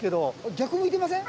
逆向いてません？